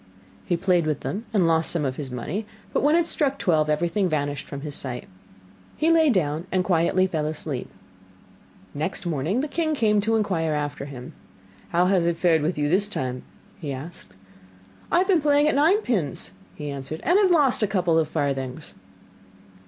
He played with them and lost some of his money, but when it struck twelve, everything vanished from his sight. He lay down and quietly fell asleep. Next morning the king came to inquire after him. 'How has it fared with you this time?' asked he. 'I have been playing at nine pins,' he answered, 'and have lost a couple of farthings.